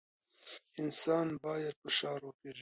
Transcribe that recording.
انسان باید فشار وپېژني.